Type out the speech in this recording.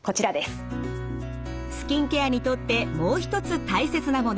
スキンケアにとってもう一つ大切なもの。